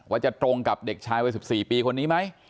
ว่าจะตรงกับเด็กชายวัย๑๔ปีคนนี้ไหม